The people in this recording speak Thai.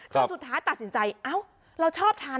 สุดท้ายตัดสินใจเอ้าเราชอบทาน